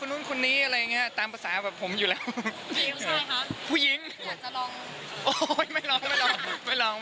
ห่วงตลกกับตัวเอง